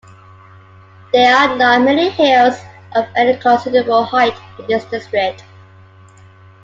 There are not many hills of any considerable height in this district.